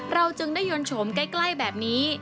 เราจึงได้ยนโฉมใกล้แบบนี้